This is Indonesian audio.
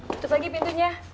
tutup lagi pintunya